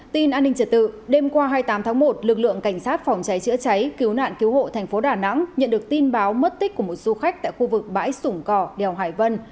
tin an ninh trật tự đêm qua hai mươi tám tháng một lực lượng cảnh sát phòng cháy chữa cháy cứu nạn cứu hộ thành phố đà nẵng nhận được tin báo mất tích của một du khách tại khu vực bãi sủng cỏ đèo hải vân